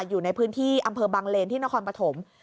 อยู่ในพื้นที่อำเภอบังเลนที่นครปฐม